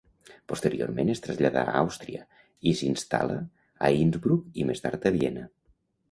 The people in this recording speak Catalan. Posteriorment es traslladà a Àustria i s'instal·la a Innsbruck i, més tard, a Viena.